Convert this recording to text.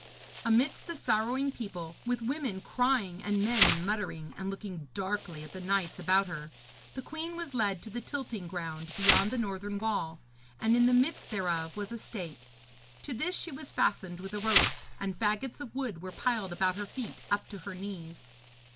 Amidst the sorrowing people, with women crying and men muttering and looking darkly at the knights about her, the queen was led to the tilting ground beyond the northern wall, and in the midst thereof was a stake. To this she was fastened with a rope, and faggots of wood were piled about her feet up to her knees.